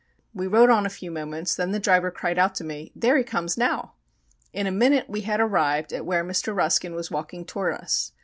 We rode on a few moments, then the driver cried out to me, "There he comes now." In a minute we had arrived at where Mr. Ruskin was walking toward us.